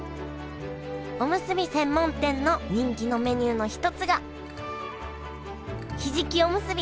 おむすび専門店の人気のメニューの一つがひじきおむすび！